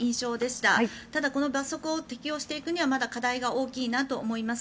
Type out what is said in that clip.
ただこの罰則を適用していくにはまだ課題が大きいなと思います。